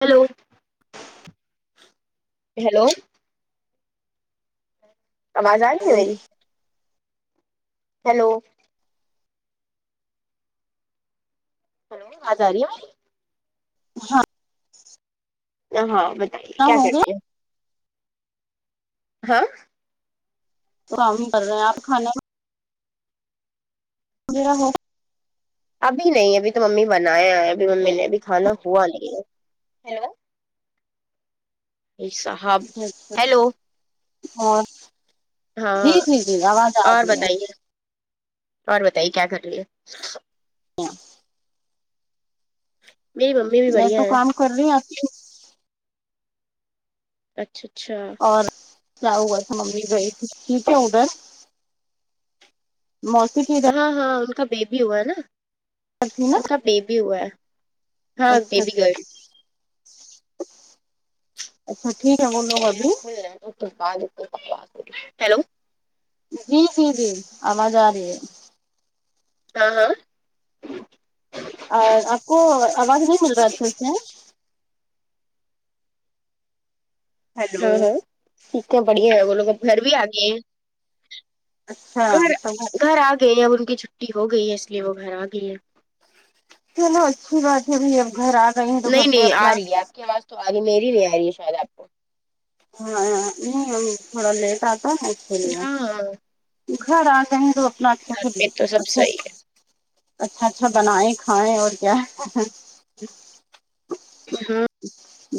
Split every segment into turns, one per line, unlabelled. Hello hello آواز آرہی ہے
نہ
میری ہیلو ہیلو آواز آ رہی ہے میری
ہاں
ہاں بتایے کیا کر رہی ہو ہاں
تو کام ہی کر رہے ہیں آپ کھانے میرا ہو
ابھی نہیں ابھی تو ممی بنایا ہے ابھی ممی نے ابھی کھانا ہوا نہیں ہے ہے صاحب ہیلو
اور جی
ہاں
جی جی آواز آ
اور
رہی ہے
بتائیے اور بتائیے کیا کر رہی ہے
ہاں
میری ممی بھی
میں
بڑھیا
تو
ہے
کام کر رہی ہ آپ کی
اچھا اچھا
اور کیا ہوا تھا ممی گی ٹھیک ہے ادھر موسی کے یہاں
ہاں ہاں ان کا بیبی ہوا ہے نا
تھی نا
ان کا بیبی ہوا ہے ہاں
اچھا
بیبی گرل
اچھا ٹھیک ہے نہ بولو ابھی
دی ہیلو [unintelligible]
جی جی جی آواز آ رہی ہے
ہاں ہاں
اور آپ کو آواز نہیں مل رہا اچھا سے ہیلو
ہاں ہاں ٹھیک ٹھاک بڑھیا ہیں وہ لوگ اب گھر بھی آ گئے ہیں
اچھا
گھر
تو
گھر آ گئے اب ان کی چھٹی ہو گئی ہے اس لیے وہ گھر آ گئی ہے
چلو اچھی بات ہے بھائی اب گھر آ گئی ہیں تو
نہیں
گھر پہ
نہیں آ
اپنا
رہی ہے آپ کی آواز تو آگی میری نہیں آ رہی ہے شاید آپ کو
ہاں نہیں تھوڑا لیٹ آتا ہے اس کے لیے
ہاں گھر
گھر آ جائیں تو اپنا اچھا سے د
پہ تو سب
اچھا
صحیح
اچھا
ہے
اچھا اچھا بنائیں کھائیں اور کیا
ہاں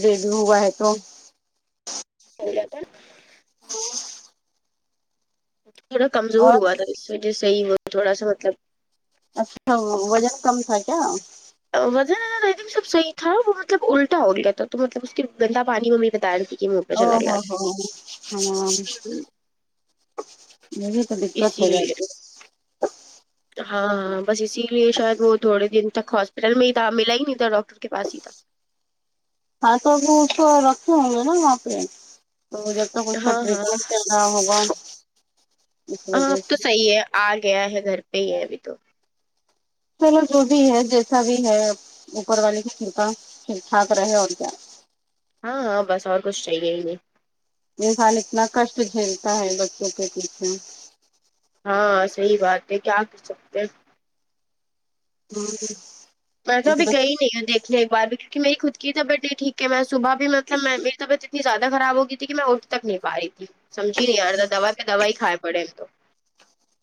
بیببی ہوا ہے تو
[unintelligible]
وہ
تھوڑا کمزور
اور
ہوا تھا اسس وجہ صحیح ہو تھوڑا سا مطلب
اچھا وزن کم تھا کیا
وزن تھنگ سب صحیح تھا وہ مطلب الٹا ہو گیا تھا تو مطلب اس کے گندا پانی وہ بتا دی
ہاں ہاں ہاں ہے نہ
تھا
یہ بھی تو دقت ہو
اسی
جائے
لیے
گی
ہاں ہاں بس اسی لیے شاید وہ تھوڑے دن تک ہاسپٹل میں ہی تھا ملا ہی نہیں تھا ڈاکٹر کے پاس ہی تھا
ہاں [unintelligible] توبچ رکھ ہ نا وہاںپ تو جب تک اس کا
ہاں ہاں
ٹریٹمنٹ چل رہا ہوگا آ اس
ہاں
وجہ
اب تو
سے
صحیح ہے آ گیا ہے گھر پہ ہی ہے ابھی تو
چلو جو بھی ہے جیسا بھی ہے اوپر والے کی کرپا ٹھیک ٹھاک رہے اور کیا
ہاں ہاں بس اور کچھ چاہیے ہیے
انسان اتنا کشٹ جھیلتا ہے بچوں کے پیچھے
ہاں صحیح بات ہے کیا کر سکتے ہیں
ہ [unintelligible]
میں تو اب گئی نہیں ہ دیکھنے ایک بار بھی کیونکہ میری خود کی طبیعت نہیں ٹھیک ہے میں صبح بھی مطلب میں میری طبعت اتنی زیادہ خراب ہو گئی تھی کہ میں اٹھ تک نہیں پا رہی تھی سمجھی نہیں آ رہا تھا دوا پہ دوا ہی کھائے پڑے ہم تو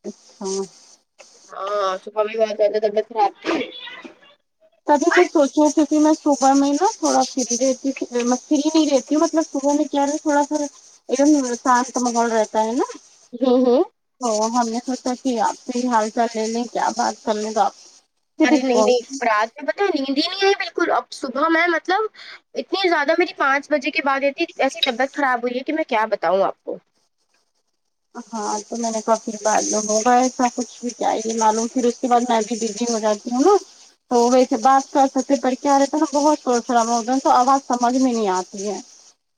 اچھا
ہاں [unintelligible] سکھ بھی باتتا توم خراب
تبھی میں سوچی کیوں کہ میں صبح میں نا تھوڑا فری رہتی ہ فری نہیں رہتی ہوں مطلب صبح میں کیاارے تھوڑا سا ایکم شانت ماحول رہتا ہے نا
جی جی
تو ہم نے سوچا کہ آپ سے ہی حال چال لے لیں کیا بات کر لوں گا آپ پھر
ارے نہیں
رسپانس
نہیں رات میں پتا نیند ہی نہیں رہ بالکل اب صبح میں مطلب اتنی زیادہ میری پانچ بجے کے بعد رہتی ایسی طبیعت خراب ہوئی ہے کہ میں کیا بتاؤں آپ کو
ہاں تو میں نے کافھر معلوم ہوگا ایسا کچھ بھی کیااہے معلوم پھر اس کے بعد میں ا بھی بزی ہو جاتی ہوں تو ویسے بات کر سکتے پر کیا رہتا ہے نا بہت سسرا م ہو تو آواز سمجھ میں نہیں آتی ہے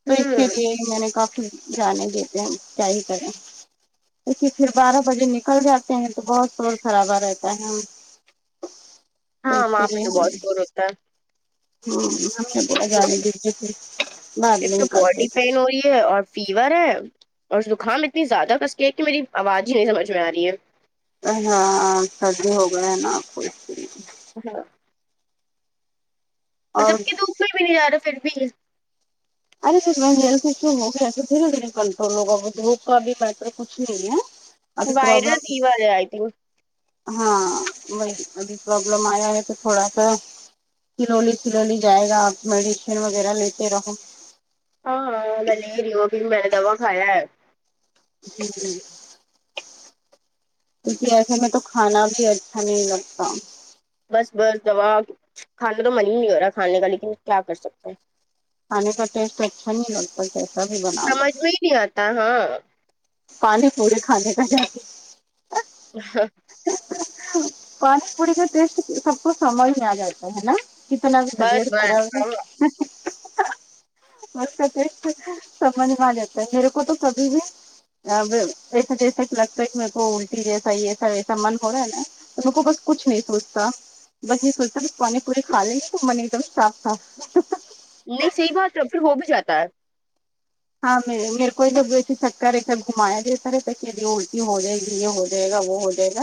تو اس کے
ہوں
لیے میں نے کافی جانے دیتے ہے کیا ہی کرے لے پھر بارہ بجے نکل جاتے ہیں توسور خراب آ رہتا ہے تو
ہاں وہاں پہ تو بہت
اسلیے
شور ہوتا ہے
[unintelligible]
ایک تو باڈی پین ہو رہی ہے اور فیور ہے اور زکام اتنی زیادہ کس کے ہے کہ میری آواز ہی نہیں سمجھ میں آ رہی ہے
ہاں سردی ہو گئے ہے نا آپ کو لیے
ہاں
اور
کوئی بھی نہیں جا رہا پھر بھی
ارے سر میں جیل سے ہوگسے دھیرے دھیرے کنٹرول ہوگا وہ دھوپ کا بھی بہتر کچھ نہیں ہے اب
وائرل
پربلم
فیور ہے آئی تھنک
ہاں وہ ابھی پربلم آیا ہے تو تھوڑا سا سلولی سلولی جائے گا آپ میڈیسن وغیرہ لیتے رہو
ہاں ملریو پھر میں نے دووا کھایا ہے
جی جی کیونکہ ایسے میں تو کھانا بھی اچھا نہیں لگتا
بس بس دوا کھانے تو من ہی نہیں ہو رہا کھانے کا لیکن کیا کر سکتے ہیں
کھانے کا ٹیسٹ اچھا نہیں لگتا کیسا بھی بن
سمجھ میں ہی نہیں آتا ہاں
پانی پوری کھانے کا جا
[unintelligible]
پانی پوڑی کا ٹیسٹ سب کو سمجھ میں آ جاتا ہے نا کتنا کی
بس
طبیعت
بس
خراب ہے
ہاں
اسکا ٹیسٹ سمجھ میں آجاتا ہے میرے کو تو کبھی بھی اب ایسا جیسا کہ لگتا ہے کہ میرے کو الٹی جیسا ہی ایسا وسا من ہو رہا ہے نا ان کو بس کچھ نہیں سوچتا بس یہ سوچتا پانی پورے کھا لیں گے تو من ایک دم صاف تھا
نہیں صحیح بات ہے پھر ہو بھی جاتا ہے
ہاں میں میرے کو جب ویسے چکر ہے گھمایا دتا رہے تو کہب الٹی ہو جائے گ یہ ہو جائے جائے گا وہ ہو جائے گا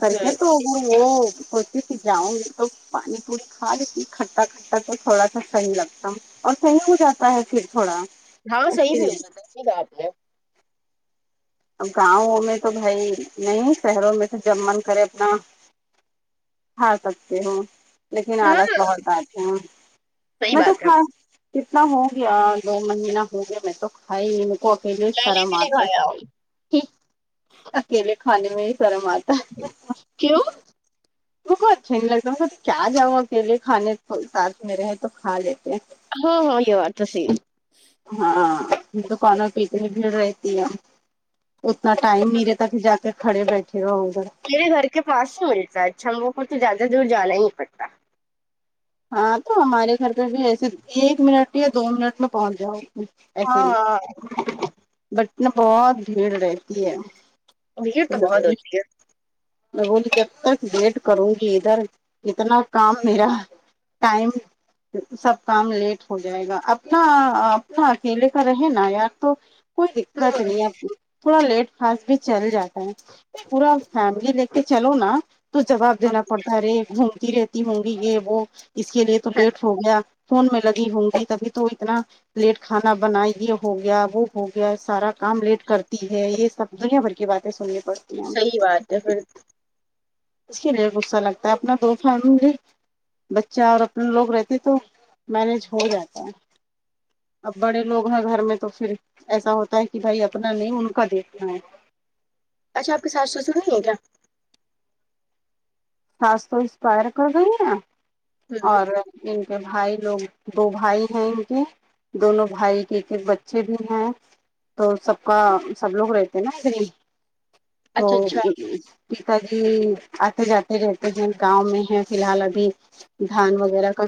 کر کیا
ہ
تو وہ کتے سے جاؤں گی تو پانی پوری کھا لیتی کھٹا ل تو تھوڑا سا صحیح لگتا اور صحیح ہو جاتا ہے پھر تھوڑا
ہاں
اس
صحیح
کے
بھی ہو
لیے
جاتا ہے سحی بات ہے
اب گاؤوں میں تو بھائی نہیں شہروں میں تو جب من کرے اپنا کھا سکتے ہو لیکن
ہاں
آلس بہت آتے ہیں
صحیح
میں تو
بات ہے
کھا کتنا ہوگیا دو مہینہ ہو گیا میں تو کھا ہی نہیں م کو اکیلے ہی
میں نے
شرم
بھی نہیں
آتا ہے
کھایا
اکیلے کھانے میں ہی شرم آتی ہے
کیوں
کو اچھا نہیں لگتا سب کیا جاؤ اکیلے کھانے ساتھ میں رہے تو کھا لیتے
ہاں ہاں یہ بات تو صحیح ہے
ہاں دکانوں پ اتنی بھیڑ رہتی ہے اتنا ٹائم میرے تک جا کے کھڑے بیٹھے ہو ادھر
میرے گھر کے پاس ہی ملتا ہے اچھا ہم لوگوں کو تو زیادہ دور جانا ہی پڑھتا
ہاں تو ہمارے گھر پہ بھی ایسے ایک منٹ یا دو منٹ میں پہنچ جاؤ
ہاں
ایسے ہی
ہاںاں
بٹ نا بہت بھیڑ رہتی ہے
بھیڑ تو بہت ہوتی ہے
میں بولی جب تک ویٹ کروں گی ادھر اتنا کام میرا ٹائم سب کام لیٹ ہو جائے گا اپنا اپنا اکیلے کا رہے نا یار تو کوئی دقت نہیں آپ کی تھوڑا لیٹ خاص بھی چل جاتا ہے پورا فیملی لے کے چلو نا تو جواب
ہاں،
دینا پڑتا ہے ارے گھومتی رہتی ہوں گی یہ وہ اس کے لیے تو لیٹ ہو گیا فون میں لگی ہوں گی تبھی تو اتنا لیٹ کھانا بنایۓ ہونگی ہو گیا وہ ہو گیا سارا کام لیٹ کرتی ہے یہ سب دنیا بھر کی باتیں سننے پر
صحیح بات ہے پھر
اس کے لیے غصہ لگتا ہے اپنا دو [unintelligible] بچہ اور اپنے لوگ رہتے تو مینج ہو جاتا ہے اب بڑے لوگ ہیں گھر میں تو پھر ایسا ہوتا ہے کہ بھائی اپنا نہیں ان کا دیکھنا ہے
اچھا آپ کے ساس سسر نہیں ہیں کیا
ساس تو اسپائر کر گئی ہیں
ہمم
اور ان کے بھائی لوگ دو بھائی ہیں ان کے دونوں بھائی کے ایک ایک بچے بھی ہیں تو سب کا سب لوگ رہتے ہیں نا تو
اچھا اچھا
[unintelligible] اتے جاتے رہتے جو گاؤں میں ہے فی الحال ابھی دھان وغیرہ کا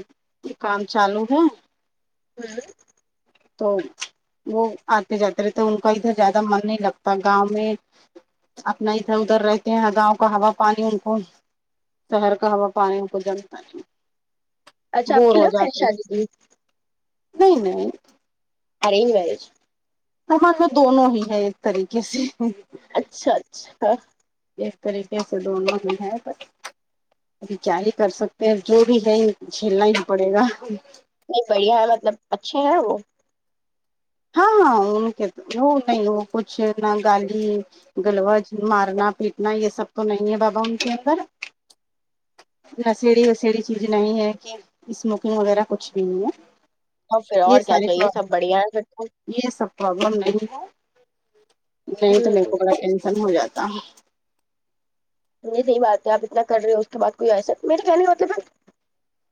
کام چالو ہے
[inaudible]
تو وہ آتے جاتے رہتے ان کا ادھر زیادہ من نہیں لگتا گاؤں میں اپنا ادھر ادھر رہتے ہیں گاؤں کا ہوا پانی ان کو شہر کا ہوا پانی کو جلتا نہیں
اچھا آپ
بور ہو
کےلاف
جاتے
فشادی تھی
نہیں نہیں
ارینج میرج
سمج میں دونوں ہی ہیں ایک طریقے سے
اچھا اچھا
ایک طریقے سے دونوں میں ہے پر کیا ہی کر سکتے ہیں جو بھی ہے جھیلنا ہی پڑے گا
نہیں بڑھیا ہے مطلب اچھے ہیں وہ
ہاں ہاں ان کہ وہ نہیں وہ کچھ نہ گالی گلوج مارنا پیٹنا یہ سب تو نہیں ہے بابا ان کے اوپر رسیڑی وسیڑی چیز نہیں ہے کہ اسموکنگ وغیرہ کچھ بھی نہیں ہے
تو پھر
یہ
اور کیا
سارے
چاہیے سب بڑھیا ہے پھر تو
یہ سب پرابلم نہیں ہے نہیں تو میرے کو
ہمم
بڑا ٹینشن ہو جاتا
نہیں صحیح بات ہے آپ اتنا کر رہے ہو اس کے بعد کوئی ایسا میرے کہنے کا طلب ہے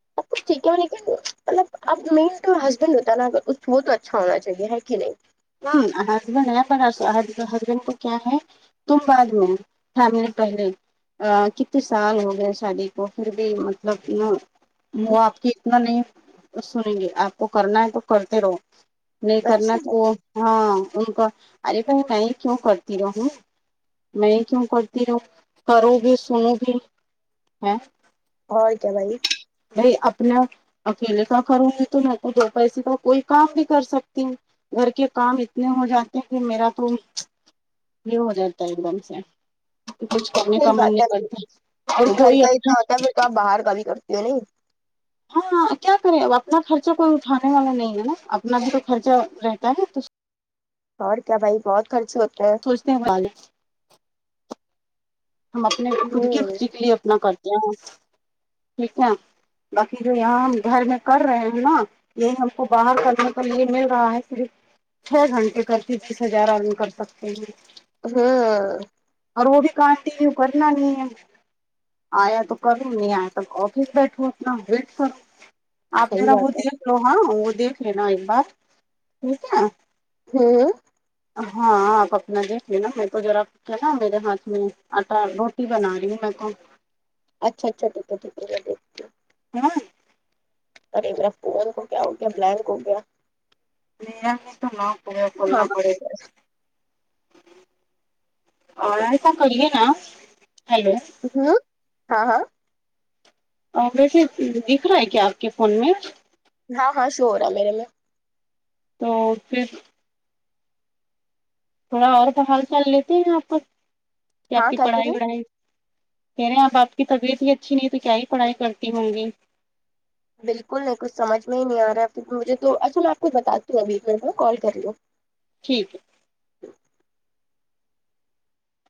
سب کچھ ٹھیک ہے لیکن مطلب اب مین تو ہسبینڈ ہوتا ہے نا ا وہ تو اچھا ہونا چاہیے ہے کہ نہیں
ہاں ہسبینڈ ہے پر ہسبینڈ کو کیا ہے تم بعد میں فیملی نے پہلے ا کتنے سال ہو گئے شادی کو پھر بھی مطلب وہ آپ کی اتنا نہیں سنیں گے آپ کو کرنا ہے تو کرتے رہو نہیں کرنا
اچھا
تو ہاں ان کا ارے بھائی میں کیوں کرتی رہ ہوں میں کیوں کرتی ہوں کروں گی سنوں گی ہے
اور کیا بھائی
بھائی اپنا اکیلے کا کروں گی تو میں تو دو پیسے کا کوئی کام بھی کر سکتی ہوں گھر کے کام اتنے ہو جاتے ہیں کہ میرا تو یہ ہو جاتا ہے ایک دم سے کچھ کرنے کا
صحیح
من
بات ہے
نہیں کرتا اور
گھر
کوئی
کا
اپنا
اتنا ہوتا ہے پھر تو آپ باہر کا بھی کرتے تو نہیں
ہاں کیا کریں اب اپنا خرچہ کوئی اٹھانے والا نہیں ہے نا اپنا بھی تو خرچہ رہتا ہے تو
اور کیا بھائی بہت خرچے ہوتا ہے
سوچتے ہیں والے ہم اپنے خود کی
ہوں
خوشی کے لیے اپنا کرتے ہیں ٹھیک ہے باقی جو یہاں ہم گھر میں کر رہے ہیں نا یہ ہم کو باہر کرنے کے لیے مل رہا ہے صرف چھ گھنٹے کرتی تیس ہزار آدمی کر سکتے ہیں
ہاں
اور وہ بھی کانٹینیو کرنا نہیں ہے آیا تو کروں نہیں آیا تک آفس بیٹھو اپنا ویٹ کروں آپ
صحیح
ذرا وہ
بات ہے
دیکھ لو ہاں وہ دیکھ لینا ایک بار ٹھیک ہے
ہاں
ہاں آپ اپنا دیکھ لینا میرے کو ذرا کیا نا میرے ہاتھ میں آٹا روٹی بنا رہی ہوں میں تو
اچھا اچھا ٹھیک ہے ٹھیک ہے دیکھتی
ہاں
اور ایک میرے فون کو کیا ہوگیا بلینک ہو گیا
نام تو نہ کو
ہاں
کولنا پڑے
بس،
اور ایسا کریے نا ہیلو
ہوں ہاں ہاں
اور ویسے دکھ رہا ہے کیا آپ کے فون میں
ہاں ہاں شور ہو ر ہے میرے میں
تو پھر تھوڑا اور کمال حال چال لیتے ہیں آپ پر کہ آپ
ہاں
کی
کیا کہہ رہے
پڑھائی
ہیں؟
وڑھائی کہہ رہے ہیں آپ آپ کی طبیعت بھی اچھی نہیں تو کیا ہی پڑھائی کرتی ہوں گی
بالکل نہیں کچھ سمجھ میں ہی نہیں آ رہا ہے پھر مجھے تو اچھا میں آپ کو بتی ہوں ابھی ایک منٹ میں کال کر لوں
ٹھیک ہے